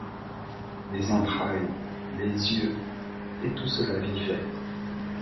Des entrailles, des yeux, et tout cela vivait !